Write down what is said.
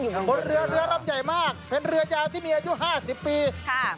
ใช่นะครับร่ำใหญ่มากเป็นเรือยาวที่มีอายุ๕๐ปีใช่